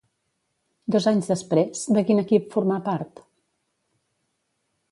Dos anys després, de quin equip formà part?